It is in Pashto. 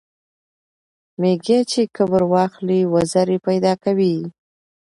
ـ ميږى چې کبر واخلي وزرې پېدا کوي.